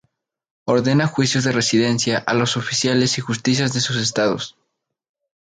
Ordena juicios de residencia a los oficiales y justicias de sus estados.